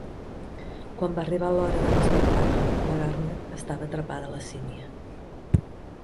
Quan va arribar l'hora de l'espectacle, la Garnet estava atrapada a la sínia.